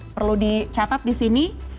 perlu dicatat di sini